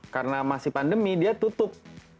karena masih pandemi dia tutup